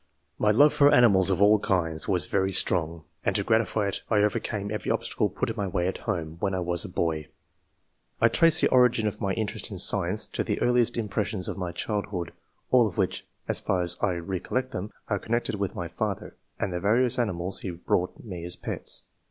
My love for animals of all kinds was very strong, and to gratify it I overcame every ob stacle put in my way at home, when I was a boy. I trace the origin of my interest in science to the earliest impressions of my childhood, all of which, so far as I recollect them, are con nected with my father, and the various ani mals he brought me as pets.